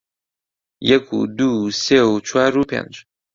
یەک و دوو و سێ و چوار و پێنج